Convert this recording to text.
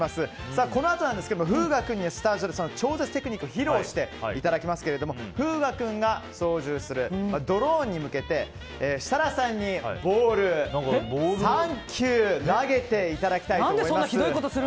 このあとなんですけれども風雅君にはスタジオで超絶テクニックを披露していただきますが風雅君が操縦するドローンに向けて設楽さんにボール３球投げていただきたいと思います。